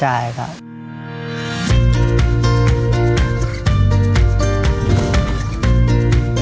ใช่ครับ